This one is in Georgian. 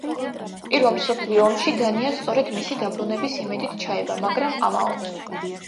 პირველ მსოფლიო ომში დანია სწორედ მისი დაბრუნების იმედით ჩაება, მაგრამ ამაოდ.